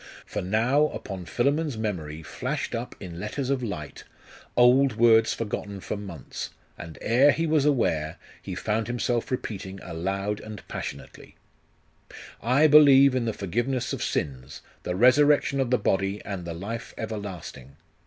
For now, upon Philammon's memory flashed up in letters of light, old words forgotten for months and ere he was aware, he found himself repeating aloud and passionately, 'I believe in the forgiveness of sins, the resurrection of the body, and the life everlasting,'....